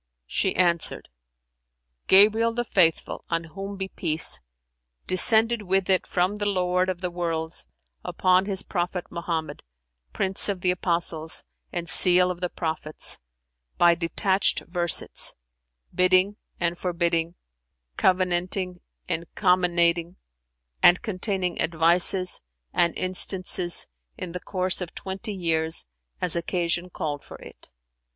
She answered, "Gabriel the Faithful (on whom be peace!) descended with it from the Lord of the Worlds upon His Prophet Mohammed, Prince of the Apostles and Seal of the Prophets, by detached versets: bidding and forbidding, covenanting and comminating, and containing advices and instances in the course of twenty years as occasion called for it."